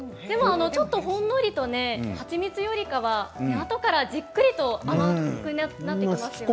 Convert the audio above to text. ちょっと、ほんのりと蜂蜜よりかはあとからじっくりと甘くなってきますね。